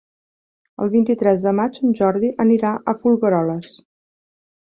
El vint-i-tres de maig en Jordi anirà a Folgueroles.